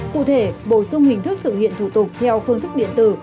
cụ thể bổ sung hình thức thực hiện thủ tục theo phương thức điện tử